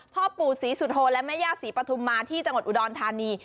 พ่อปู่ศรีสุโธและแม่ย่าศรีปฐุมมาที่จังหวัดอุดรธานี